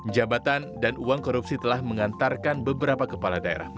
jabatan dan uang korupsi telah mengantarkan beberapa kepala daerah